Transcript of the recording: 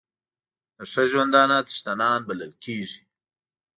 د ښه ژوندانه څښتنان بلل کېږي.